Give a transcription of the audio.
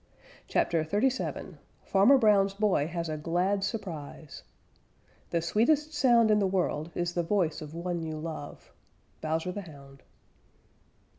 CHAPTER XXXVII FARMER BROWN'S BOY HAS A GLAD SURPRISE The sweetest sound in the world is the voice of one you love. _Bowser the Hound.